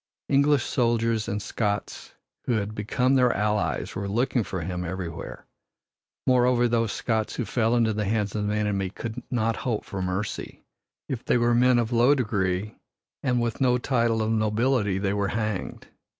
English soldiers and Scots who had become their allies were looking for him everywhere. Moreover, those Scots who fell into the hands of the enemy could not hope for mercy. If they were men of low degree and with no title of nobility they were hanged.